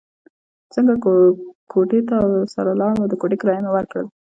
څنګ کوټې ته ورسره ولاړم او د کوټې کرایه مې ورکړل.